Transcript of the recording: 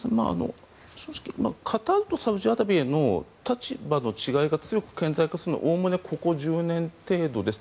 正直、カタールとサウジアラビアの立場の違いが強く顕在化するのはおおむねここ１０年程度です。